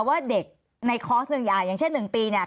ตอนที่จะไปอยู่โรงเรียนนี้แปลว่าเรียนจบมไหนคะ